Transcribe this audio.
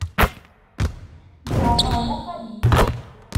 Ǧaɛfeṛ d axabit.